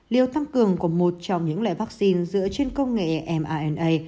liều tăng cường của một trong những loại vaccine dựa trên công nghệ mrna